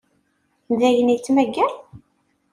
D ayen yettmaggan?